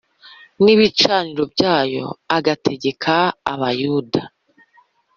n ibicaniro byayo agategeka Abayuda